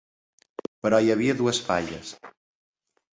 Però hi havia dues falles